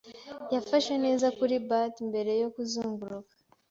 Yafashe neza kuri bat mbere yo kuzunguruka.